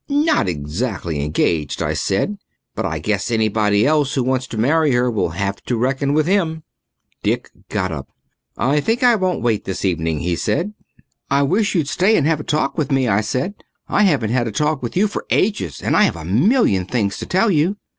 "Not exactly engaged," I said, "but I guess anybody else who wants to marry her will have to reckon with him." Dick got up. "I think I won't wait this evening," he said. "I wish you'd stay and have a talk with me," I said. "I haven't had a talk with you for ages and I have a million things to tell you."